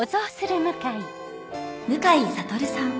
向井悟さん。